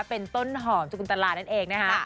เป็นต้นหอมสกุลตลานั่นเองนะคะ